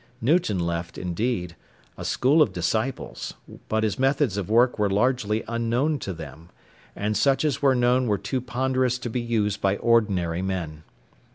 Newton left, indeed, a school of disciples, but his methods of work were largely unknown to them, and such as were known were too ponderous to be used by ordinary men.